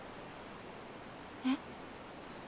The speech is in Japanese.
えっ？